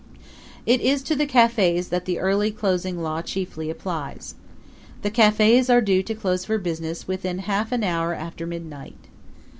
It is to the cafes that the early closing law chiefly applies. The cafes are due to close for business within half an hour after midnight.